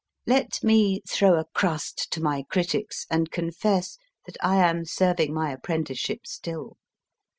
Let me throw a crust to my critics/ and confess that I am serving my apprenticeship still.